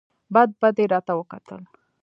بد بد یې راته وکتل !